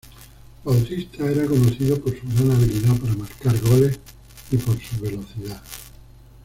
Bautista era conocido por su gran habilidad para marcar goles y por su velocidad.